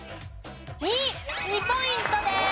２ポイントです。